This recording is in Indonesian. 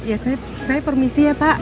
oh iya saya permisi ya pak